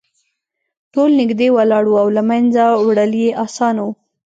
ټول نږدې ولاړ وو او له منځه وړل یې اسانه وو